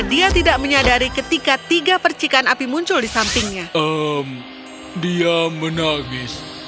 dia tidak menyadari ketika tiga percikan api muncul di sampingnya dia menangis